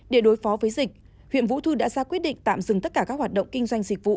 để đối phó với dịch huyện vũ thư đã ra quyết định tạm dừng tất cả các hoạt động kinh doanh dịch vụ